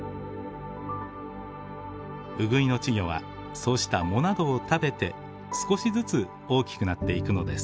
ウグイの稚魚はそうした藻などを食べて少しずつ大きくなっていくのです。